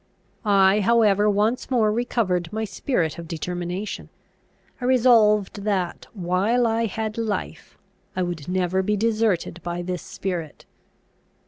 I however once more recovered my spirit of determination. I resolved that, while I had life, I would never be deserted by this spirit.